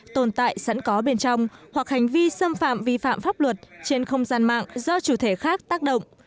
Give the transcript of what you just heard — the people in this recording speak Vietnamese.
tồn tại sẵn có bên trong hoặc hành vi xâm phạm vi phạm pháp luật trên không gian mạng do chủ thể khác tác động